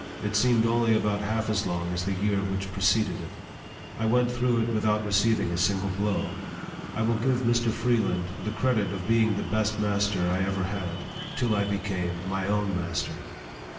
It seemed only about half as long as the year which preceded it. I went through it without receiving a single blow. I will give Mr. Freeland the credit of being the best master I ever had, till I became my own master.